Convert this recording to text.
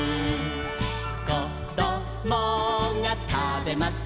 「こどもがたべます